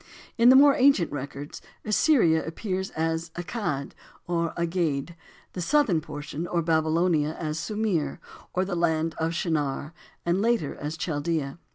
In the more ancient records Assyria appears as "Accad," or "Agade;" the southern portion, or Babylonia, as "Sumir," or the land of "Shinar," and later as Chaldea.